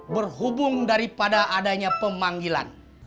berhubung daripada adanya pemanggilan